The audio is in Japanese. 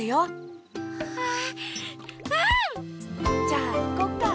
じゃあいこっか？